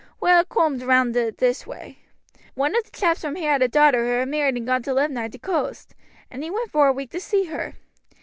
"Well, it coomed round i' this way. One of t' chaps from here had a darter who had married and gone to live nigh t' coast, and he went vor a week to see her.